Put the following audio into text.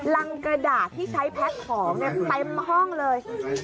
รังกระดาษที่ใช้แพ็คของเต็มห้องเลย